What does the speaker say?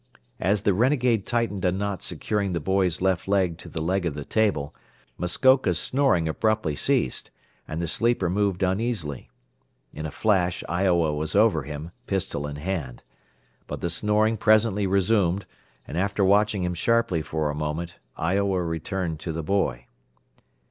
As the renegade tightened a knot securing the boy's left leg to the leg of the table, Muskoka's snoring abruptly ceased, and the sleeper moved uneasily. In a flash Iowa was over him, pistol in hand. But the snoring presently resumed, and after watching him sharply for a moment, Iowa returned to the boy.